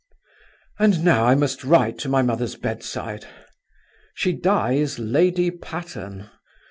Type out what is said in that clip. And now I must ride to my mother's bedside. She dies Lady Patterne!